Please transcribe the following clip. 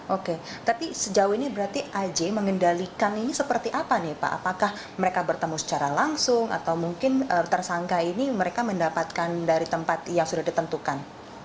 oke tapi sejauh ini berarti aj mengendalikan ini seperti apa nih pak apakah mereka bertemu secara langsung atau mungkin tersangka ini mereka mendapatkan dari tempat yang sudah ditentukan